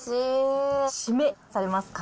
締め、されますか？